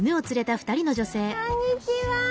こんにちは。